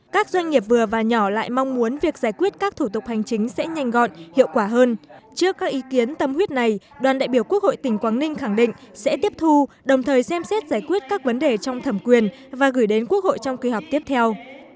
các doanh nghiệp vừa và nhỏ lại mong muốn việc giải quyết các thủ tục hành chính sẽ nhanh gọn hiệu quả hơn trước các ý kiến tâm huyết này đoàn đại biểu quốc hội tỉnh quảng ninh khẳng định sẽ tiếp thu đồng thời xem xét giải quyết các vấn đề trong thẩm quyền và gửi đến quốc hội trong kỳ họp tiếp theo